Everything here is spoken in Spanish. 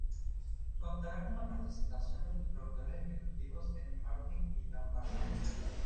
Contará con la participación de los productores ejecutivos Kelly Martin y John Barnett.